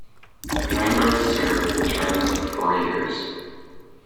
Members serve for terms of four years.